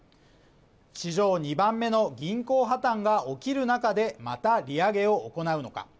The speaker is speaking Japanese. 史上２番目の銀行破綻が起きるなかで、また利上げを行うのか。